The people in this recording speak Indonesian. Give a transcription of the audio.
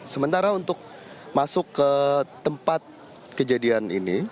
sementara untuk masuk ke tempat kejadian ini